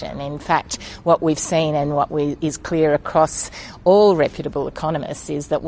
sebenarnya apa yang kita lihat dan apa yang jelas di antara semua ekonomi yang berpura pura adalah